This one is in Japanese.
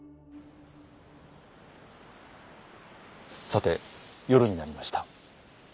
さて夜になりました。